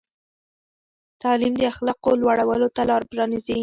تعلیم د اخلاقو لوړولو ته لار پرانیزي.